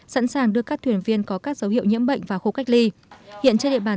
sẵn sàng đưa các thuyền viên có các dấu hiệu nhiễm bệnh vào khu cách ly hiện trên địa bàn